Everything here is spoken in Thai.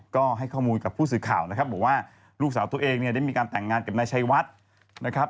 ก็ให้ข้อมูลกับผู้สื่อข่าวนะครับบอกว่าลูกสาวตัวเองเนี่ยได้มีการแต่งงานกับนายชัยวัดนะครับ